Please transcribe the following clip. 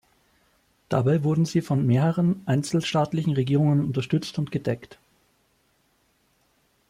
Dabei wurden sie von mehreren einzelstaatlichen Regierungen unterstützt und gedeckt.